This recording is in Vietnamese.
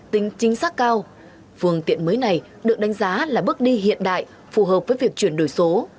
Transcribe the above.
tính chính xác cao phương tiện mới này được đánh giá là bước đi hiện đại phù hợp với việc chuyển đổi số